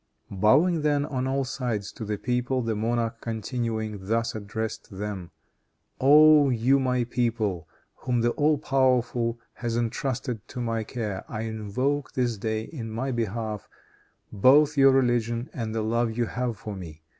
Bowing then on all sides to the people, the monarch continuing, thus addressed them: "O, you my people, whom the All powerful has entrusted to my care, I invoke this day, in my behalf, both your religion and the love you have for me.